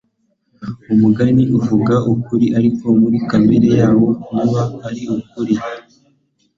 Umugani uvuga ukuri ariko muri kamere yawo ntuba ari ukuri.